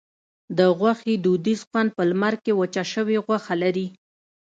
د غوښې دودیز خوند په لمر کې وچه شوې غوښه لري.